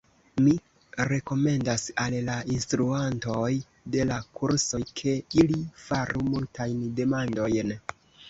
Mi rekomendas al la instruantoj de la kursoj, ke, ili faru multajn demandojn.